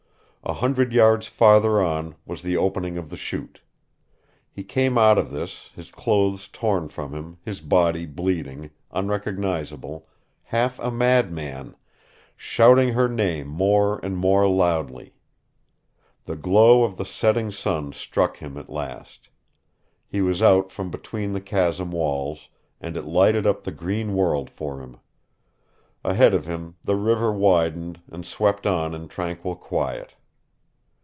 A hundred yards farther on was the opening of the Chute. He came out of this, his clothes torn from him, his body bleeding, unrecognizable, half a madman, shouting her name more and more loudly. The glow of the setting sun struck him at last. He was out from between the chasm walls, and it lighted up the green world for him. Ahead of him the river widened and swept on in tranquil quiet.